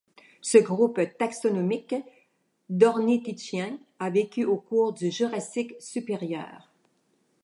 Ce groupe taxonomique d'ornithischiens a vécu au cours du Jurassique supérieur.